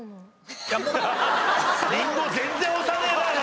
リンゴ全然推さねえな！